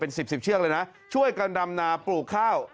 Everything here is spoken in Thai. สิบสิบเชือกเลยนะช่วยกันดำนาปลูกข้าว